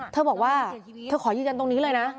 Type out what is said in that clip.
เธอบอกว่าเธอขอยืนยันตรงนี้เลยนะ